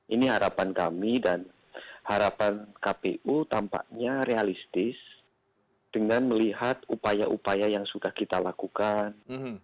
ini harapan kami dan harapan kpu tampaknya realistis dengan melihat upaya upaya yang sudah kita lakukan